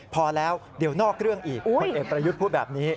พอแล้วเดี๋ยวนอกเรื่องอีกคนเอกประยุทธ์พูดแบบนี้